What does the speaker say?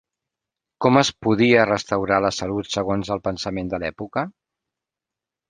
Com es podia restaurar la salut segons el pensament de l'època?